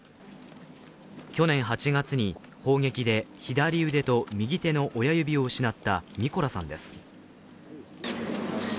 去年８月に砲撃で左腕と右手の親指を失ったニコラさんです。